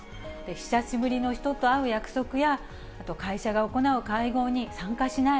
久しぶりの人と会う約束や、あと会社が行う会合に参加しない。